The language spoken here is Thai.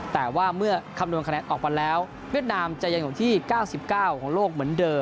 แต่ว่าเมื่อคำนวณคะแนนออกมาแล้วเวียดนามจะยังอยู่ที่๙๙ของโลกเหมือนเดิม